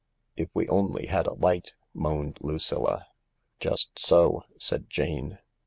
" If we only had a light !" moaned Lucilla. " Just so," said Jane.